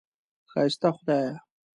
ښایسته خدایه!